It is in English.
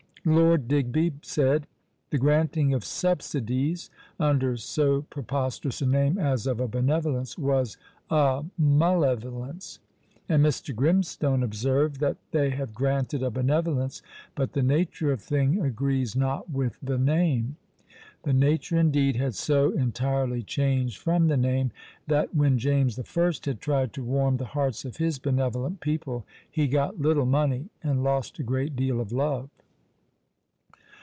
Lord Digby said "the granting of subsidies, under so preposterous a name as of a benevolence, was a malevolence." And Mr. Grimstone observed, that "they have granted a benevolence, but the nature of the thing agrees not with the name." The nature indeed had so entirely changed from the name, that when James I. had tried to warm the hearts of his "benevolent" people, he got "little money, and lost a great deal of love."